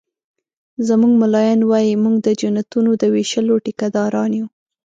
زموږ ملایان وایي مونږ د جنتونو د ویشلو ټيکه داران یو